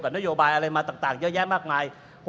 นโยบายอะไรมาต่างเยอะแยะมากมาย